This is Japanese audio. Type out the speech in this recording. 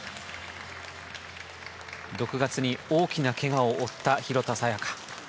６月に大きなけがを負った廣田彩花